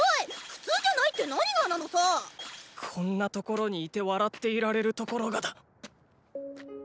こんな所にいて笑っていられるところがだ。